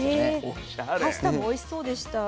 パスタもおいしそうでした。